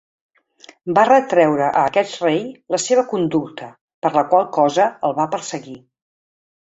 Va retreure a aquest rei la seva conducta, per la qual cosa el va perseguir.